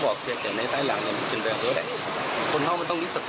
เดี๋ยวเห็นกันอย่างแป๊บอย่างหนึ่ง